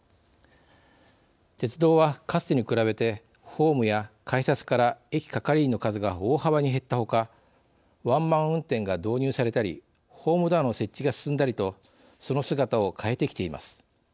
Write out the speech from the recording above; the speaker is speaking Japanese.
鉄道はかつてに比べてホームや改札から駅係員の数が大幅に減ったほかワンマン運転が導入されたりホームドアの設置が進んだりとその姿を変えてきています。